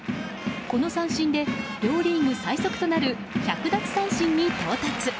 この三振で両リーグ最速となる１００奪三振に到達。